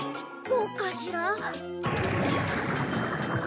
こうかしら？